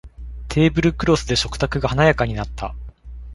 テーブルクロスで食卓が華やかになった